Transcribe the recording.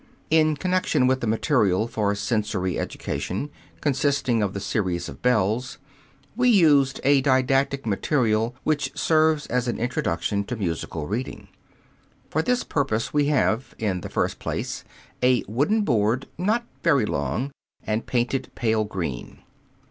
In connection with the material for sensory education, consisting of the series of bells, we use a didactic material, which serves as an introduction to musical reading. For this purpose we have, in the first place, a wooden board, not very long, and painted pale green.